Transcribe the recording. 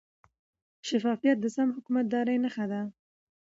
شفافیت د سم حکومتدارۍ نښه ده.